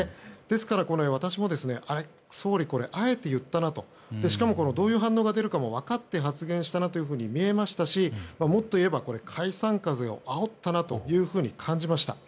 なので、私も総理、あえて言ったなとどういう反応が出るかも分かって発言したなというふうにみえましたしもっと言えば、解散風をあおったなと感じました。